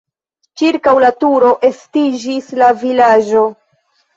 Ĉirkaŭ la turo estiĝis la vilaĝo.